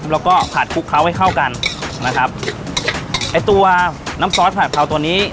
แล้วก็ผัดคลุกเคล้าให้เข้ากันนะครับไอ้ตัวน้ำซอสผัดเพราตัวนี้